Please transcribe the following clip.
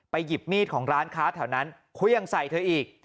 หยิบมีดของร้านค้าแถวนั้นเครื่องใส่เธออีก